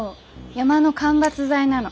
山の間伐材なの。